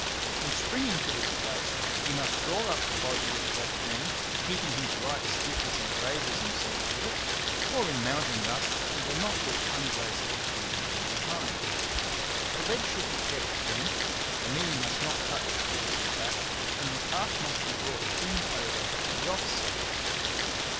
In springing to his place, he must draw up the body with the left hand, keeping his right stiff as he raises himself with it; for in mounting thus, he will not look ungraceful even from behind. The leg should be kept bent, the knee must not touch the horse's back, and the calf must be brought clean over to the off side.